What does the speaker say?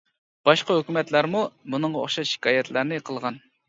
باشقا ھۆكۈمەتلەرمۇ بۇنىڭغا ئوخشاش شىكايەتلەرنى قىلغان.